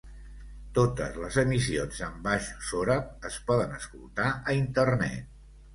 Totes les emissions en baix sòrab es poden escoltar a Internet.